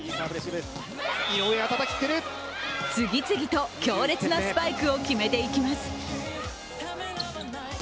次々と強烈なスパイクを決めていきます。